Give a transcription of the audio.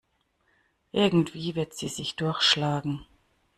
Irgendwie wird sie sich durchschlagen.